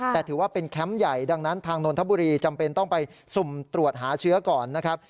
แต่ถือว่าเป็นแคมป์ใหญ่ดังนั้นทางนนทบุรีจำเป็นต้องไปสุ่มตรวจหาเชื้อก่อนนะครับ